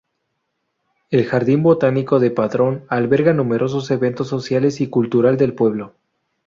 El jardín botánico de Padrón alberga numerosos eventos sociales y cultural del pueblo.